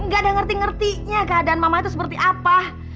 gak ada ngerti ngertinya keadaan mama itu seperti apa